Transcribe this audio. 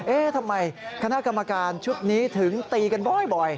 เอ๊ะทำไมคณะกรรมการชุดนี้ถึงตีกันบ่อย